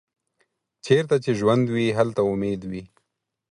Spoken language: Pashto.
چیرته چې ژوند وي، هلته امید وي.